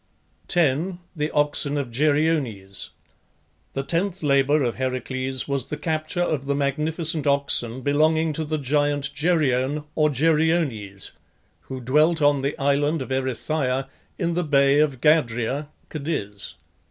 10. THE OXEN OF GERYONES. The tenth labour of Heracles was the capture of the magnificent oxen belonging to the giant Geryon or Geryones, who dwelt on the island of Erythia in the bay of Gadria (Cadiz).